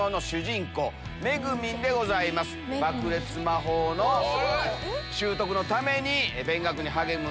爆裂魔法の習得のために勉学に励む。